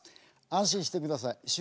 安心してください。